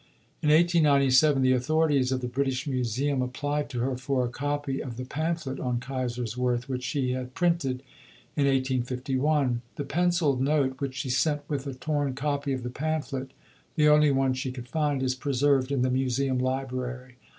In 1897 the authorities of the British Museum applied to her for a copy of the pamphlet on Kaiserswerth which she had printed in 1851. The pencilled note which she sent with a torn copy of the pamphlet, the only one she could find, is preserved in the Museum Library.